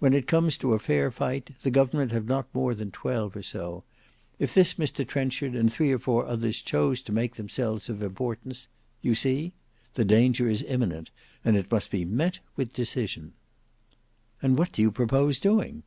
When it comes to a fair fight, the government have not more than twelve or so. If this Mr Trenchard and three or four others choose to make themselves of importance—you see? The danger is imminent, it must be met with decision." "And what do you propose doing?"